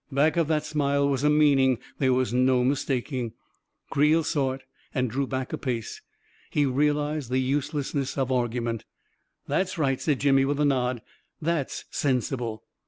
Back of that smile was a meaning there was no mistaking. Creel saw it — and drew back a pace. He realized the uselessness of argument " That's right," said Jimmy, with a nod. " That's sensible."